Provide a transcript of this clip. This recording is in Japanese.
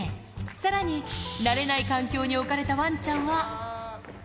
さらに、慣れない環境に置かれたわんちゃんは。